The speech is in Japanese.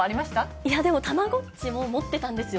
いやでも、たまごっちも持ってたんですよ。